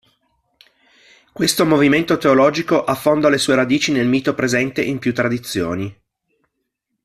Questo movimento teologico affonda le sue radici nel mito presente in più tradizioni.